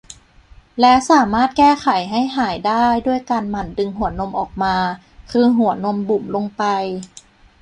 และสามารถแก้ไขให้หายได้ด้วยการหมั่นดึงหัวนมออกมา คือหัวนมบุ๋มลงไป